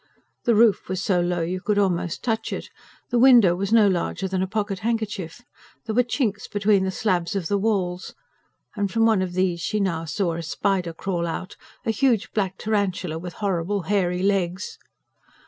The roof was so low that you could almost touch it; the window was no larger than a pocket handkerchief; there were chinks between the slabs of the walls. And from one of these she now saw a spider crawl out, a huge black tarantula, with horrible hairy legs.